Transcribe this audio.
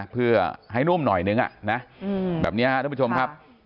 เพื่อให้นุ่มหน่อยนึงแบบนี้ครับท่านผู้ชมครับ